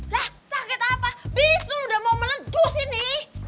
lah sakit apa bisul udah mau melentur sini